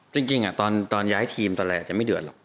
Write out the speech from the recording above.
จริงตอนย้ายทีมตอนแรกอาจจะไม่เดือดหรอก